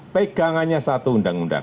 pegangannya satu undang undang